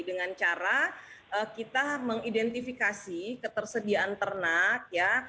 dengan cara kita mengidentifikasi ketersediaan ternak ya